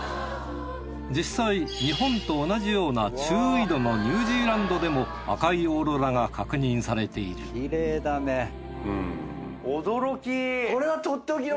実際日本と同じような中緯度のニュージーランドでも赤いオーロラが確認されている驚き！